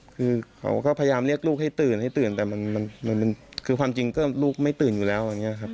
คือเขาก็พยายามเรียกลูกให้ตื่นแต่คือความจริงก็ลูกไม่ตื่นอยู่แล้ว